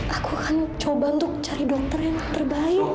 aku akan coba untuk cari dokter yang terbaik